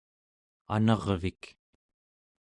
anarvik